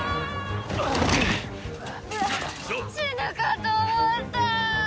死ぬかと思った！